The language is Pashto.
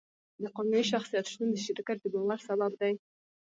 د قانوني شخصیت شتون د شرکت د باور سبب دی.